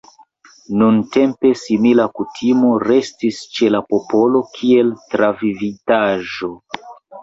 Nuntempe simila kutimo restis ĉe la popolo, kiel travivitaĵo.